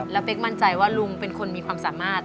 แล้วเป๊กมั่นใจว่าลุงเป็นคนมีความสามารถ